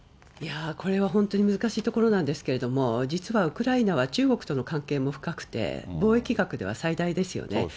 これは本当に難しいところなんですけれども、実はウクライナは中国との関係も深くて、貿易額では最大ですよね。